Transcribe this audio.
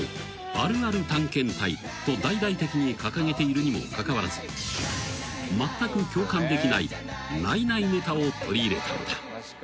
あるある探検隊と大々的に掲げているにもかかわらずまったく共感できないないないネタを取り入れたのだ］